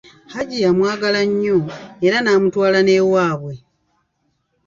Hajji yamwagala nnyo era n'amutwala n'ewabwe.